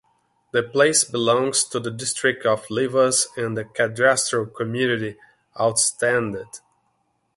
The place belongs to the district of Levis in the cadastral community Altenstadt.